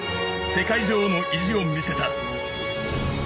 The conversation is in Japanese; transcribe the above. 世界女王の意地を見せた。